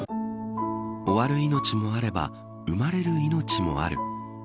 終わる命もあれば生まれる命もある。